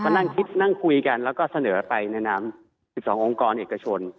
เราก็นั่งคุยกันแล้วก็เสนอไปในน้ำ๑๒องค์กรเอกชน